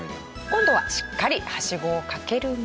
今度はしっかりはしごをかけるも。